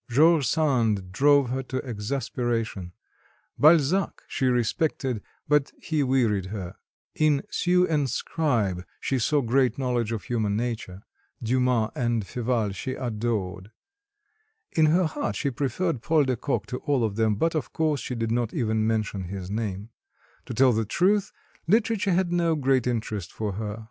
George Sand drove her to exasperation, Balzac she respected, but he wearied her; in Sue and Scribe she saw great knowledge of human nature, Dumas and Féval she adored. In her heart she preferred Paul de Kock to all of them, but of course she did not even mention his name. To tell the truth, literature had no great interest for her.